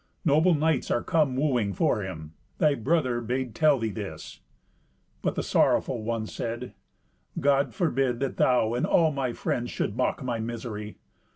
Noble knights are come wooing for him; thy brother bade tell thee this." But the sorrowful one said, "God forbid that thou and all my friends should mock my misery.